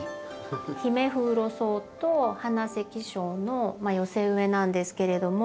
ヒメフウロソウとハナセキショウの寄せ植えなんですけれども。